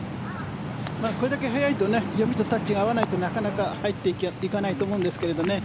これだけ速いと読みとタッチが合わないとなかなか入っていかないと思うんですけどね。